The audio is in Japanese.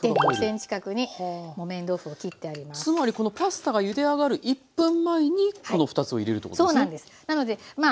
つまりこのパスタがゆで上がる１分前にこの２つを入れるということですね。